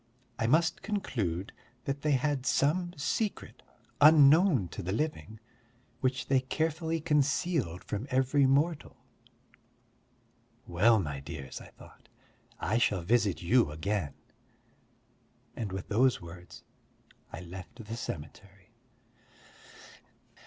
I must conclude that they had some secret unknown to the living, which they carefully concealed from every mortal. "Well, my dears," I thought, "I shall visit you again." And with those words, I left the cemetery.